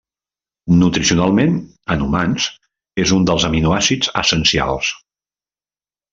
Nutricionalment, en humans, és un dels aminoàcids essencials.